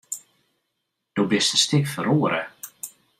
Do bist in stik feroare.